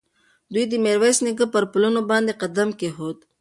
دوی د میرویس نیکه پر پلونو باندې قدم کېښود.